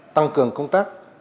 tăng cường công tác